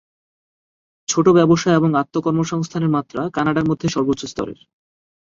ছোট ব্যবসা এবং আত্ম-কর্মসংস্থানের মাত্রা কানাডার মধ্যে সর্বোচ্চ স্তরের।